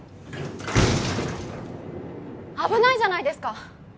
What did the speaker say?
危ないじゃないですか！